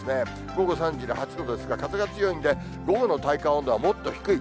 午後３時で８度ですが、風が強いんで、午後の体感温度は、もっと低い。